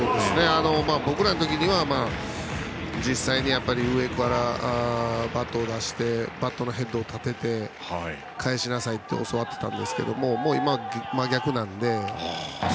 僕らの時には上からバットを出してバットのヘッドを立てて返しなさいと教わっていたんですけどもう今は真逆なので。